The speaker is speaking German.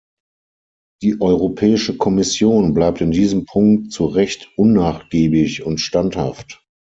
Die Europäische Kommission bleibt in diesem Punkt zu Recht unnachgiebig und standhaft.